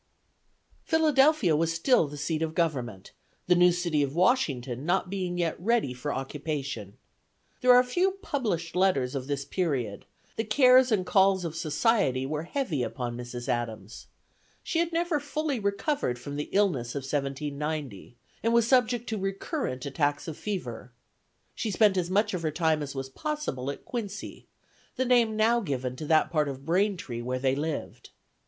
Philadelphia was still the seat of government, the new city of Washington not being yet ready for occupation. There are few published letters of this period; the cares and calls of society were heavy upon Mrs. Adams. She had never fully recovered from the illness of 1790, and was subject to recurrent attacks of fever. She spent as much of her time as was possible at Quincy, the name now given to that part of Braintree where they lived.